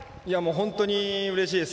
本当にうれしいです。